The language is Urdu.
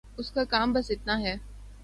اس کا کام بس اتنا ہے۔